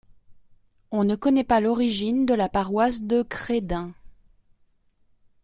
On ne connaît pas l'origine de la paroisse de Crédin.